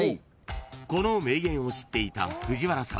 ［この名言を知っていた藤原さん